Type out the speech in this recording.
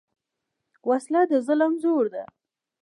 وسله د ظلم زور ده